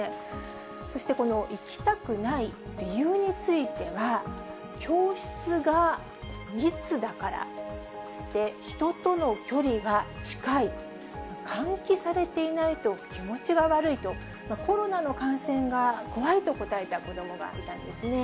そして、この行きたくない理由については、教室が密だから、そして人との距離が近い、換気されていないと気持ちが悪いと、コロナの感染が怖いと答えた子どもがいたんですね。